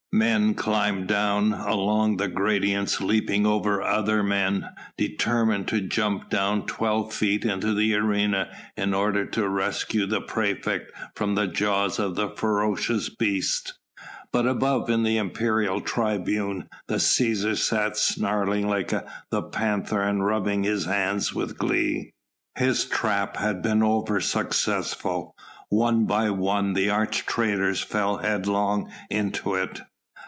Men climbed down along the gradients leaping over other men, determined to jump down twelve feet into the arena in order to rescue the praefect from the jaws of the ferocious beast. But above in the imperial tribune the Cæsar sat snarling like the panther and rubbing his hands with glee. His trap had been over successful, one by one the arch traitors fell headlong into it.